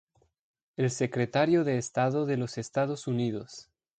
El secretario de Estado de los Estados Unidos.